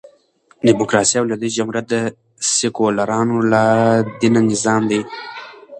ډيموکراسي او لوېدیځ جمهوریت د سیکولرانو لا دینه نظام دئ.